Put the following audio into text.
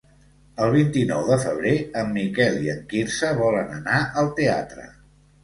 El vint-i-nou de febrer en Miquel i en Quirze volen anar al teatre.